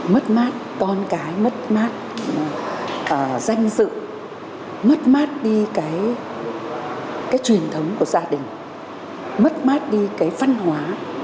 mất mát con cái mất mát danh dự mất mát đi cái truyền thống của gia đình mất mát đi cái văn hóa